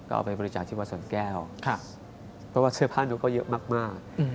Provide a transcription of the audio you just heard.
ก็เอาไปบริจาคที่วัดสวนแก้วเพราะว่าเสื้อผ้านู้นก็เยอะมาก